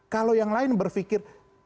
kalau yang lain berpikir